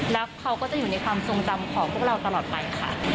แล้วเขาก็จะอยู่ในความทรงจำของพวกเราตลอดไปค่ะ